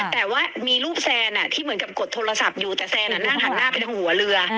แต่ว่ามีรูปแซนที่เหมือนกับกดโทรศัพท์อยู่แต่แซนนั่งหันหน้าไปทางหัวเรือ